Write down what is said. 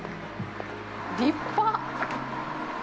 立派！